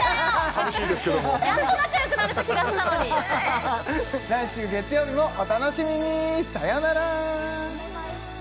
寂しいですけどもやっと仲良くなれた気がしたのに来週月曜日もお楽しみにさよならバイバイ